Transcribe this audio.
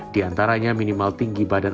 di antaranya minimal tinggi badan